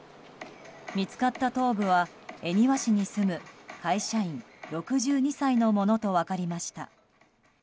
見つかった頭部は恵庭市に住む会社員６２歳のものと分かりました。